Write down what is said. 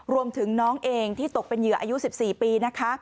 รวมถึงน้องเองที่ตกเป็นเหยื่ออายุ๑๔ปีนะคะ